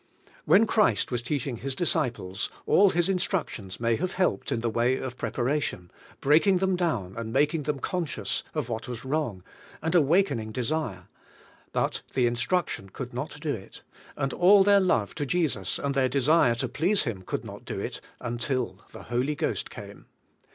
When Christ was teaching His disciples, all His instructions may have helped in the way of preparation, break ing them down, and making them conscious of what was wrong, and awakening desire; but the instruction could not do it, and all their love to Jesus and their desiie to please Him could not do it, until the Holy Ghost came.